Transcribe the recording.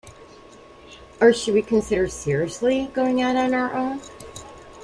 Or should we consider seriously going out on our own?